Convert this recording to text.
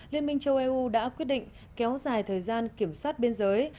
liên minh châu âu đã quyết định kéo dài thời gian kiểm soát biên giới